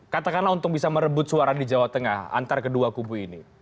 katakanlah untuk bisa merebut suara di jawa tengah antara kedua kubu ini